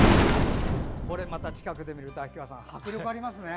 これ、また近くで見ると秋川さん、迫力ありますね。